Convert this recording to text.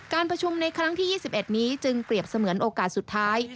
การประชุมในครั้งที่๒๑นี้จึงเปรียบเสมือนโอกาสสุดท้าย